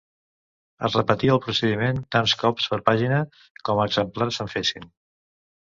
Es repetia el procediment tants cops per pàgina com exemplars se'n fessin